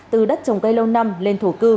từ đất trồng cây lâu năm lên thổ cư